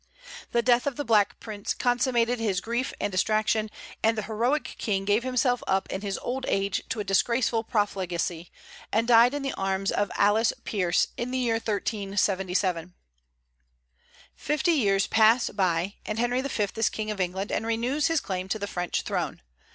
The death of the Black Prince consummated his grief and distraction, and the heroic king gave himself up in his old age to a disgraceful profligacy, and died in the arms of Alice Pierce, in the year 1377. Fifty years pass by, and Henry V. is king of England, and renews his claim to the French throne.